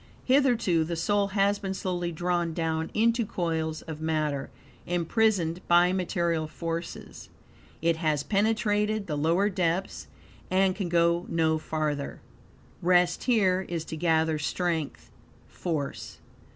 Hitherto, the soul has been slowly drawn down into coils of matter, imprisoned by material forces. It has penetrated the lowest depths, and can go no farther. Rest here, is to gather strength, force.